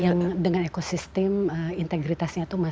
yang dengan ekosistem integritasnya itu masih